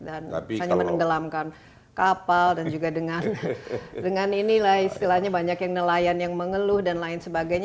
dan hanya menenggelamkan kapal dan juga dengan ini lah istilahnya banyak yang nelayan yang mengeluh dan lain sebagainya